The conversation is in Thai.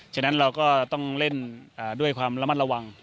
ฉะนั้นเราก็ต้องเล่นด้วยความระมัดระวัง